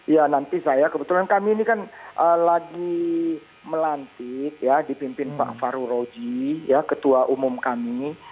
ya nanti saya kebetulan kami ini kan lagi melantik ya dipimpin pak faru roji ketua umum kami